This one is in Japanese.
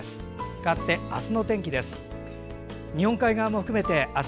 かわって、明日の天気です。